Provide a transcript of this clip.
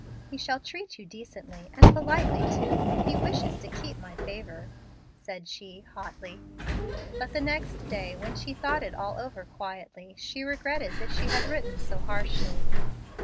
"He shall treat you decently, and politely too, if he wishes to keep my favor," said she, hotly. But the next day, when she thought it all over quietly, she regretted that she had written so harshly.